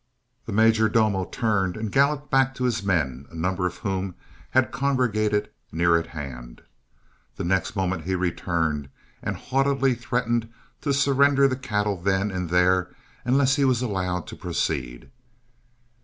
The "major domo" turned and galloped back to his men, a number of whom had congregated near at hand. The next moment he returned and haughtily threatened to surrender the cattle then and there unless he was allowed to proceed.